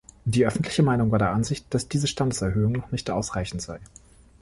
Die öffentliche Meinung war der Ansicht, dass diese Standeserhöhung noch nicht ausreichend sei.